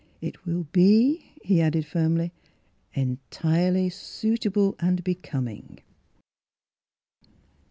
" It will be," he added firmly, " entirely suitable and becoming."